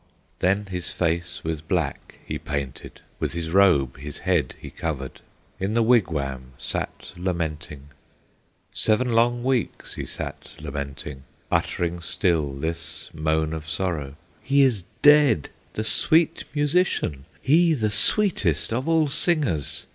Then his face with black he painted, With his robe his head he covered, In his wigwam sat lamenting, Seven long weeks he sat lamenting, Uttering still this moan of sorrow: "He is dead, the sweet musician! He the sweetest of all singers!